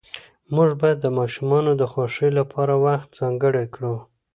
موږ باید د ماشومانو د خوښۍ لپاره وخت ځانګړی کړو